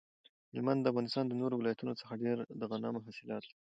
هلمند د افغانستان د نورو ولایتونو څخه ډیر د غنمو حاصلات لري